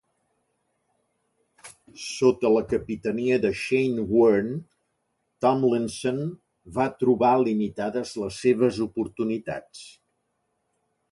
Sota la capitania de Shane Warne, Tomlinson va trobar limitades les seves oportunitats.